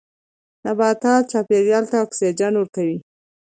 نباتات چاپیریال ته اکسیجن ورکوي